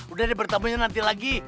udah ada pertemunya nanti lagi